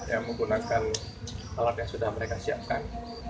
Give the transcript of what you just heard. yang menggunakan alat yang sudah mereka siapkan